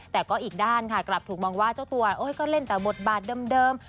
แต่ก็อีกด้านค่ะกลับถูกมองว่าเจ้าตัวก็เล่นแต่บทบาทเดิม